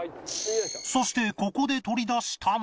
そしてここで取り出したのは